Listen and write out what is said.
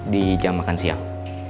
di jam makan siang